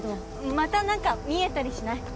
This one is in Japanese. またなんか見えたりしない？